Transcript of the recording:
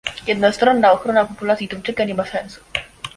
Jednostronna ochrona populacji tuńczyka nie ma sensu